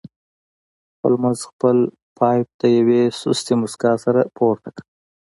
هولمز خپل پایپ د یوې سستې موسکا سره پورته کړ